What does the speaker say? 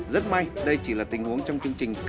rất may đây chỉ là tình huống trong chương trình